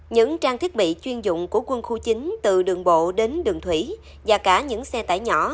những trang thiết bị chuyên dụng của quân khu chín từ đường bộ đến đường thủy và cả những xe tải nhỏ